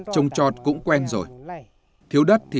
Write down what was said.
trông trọt cũng quen rồi